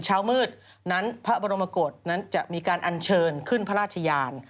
เช้ามืดนั้นพระบรมกฏนั้นจะมีการอัญเชิญขึ้นพระราชยาน